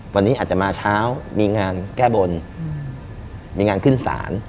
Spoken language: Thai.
วันนี้อาจจะมาเช้ามีงานแก้บนมีงานขึ้นศาล